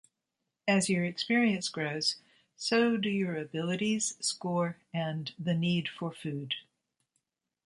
As your experience grows, so do your abilities, score and the need for food.